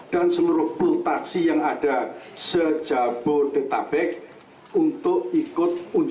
dan seberapa taksi yang ada sejabur tetapek untuk ikut undang undang